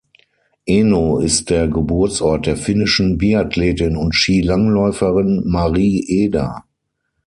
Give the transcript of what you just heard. Eno ist der Geburtsort der finnischen Biathletin und Skilangläuferin Mari Eder.